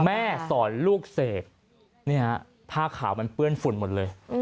แม่สอนลูกเสพเนี่ยภาคข่ามันเปื้อนฝุ่นหมดเลย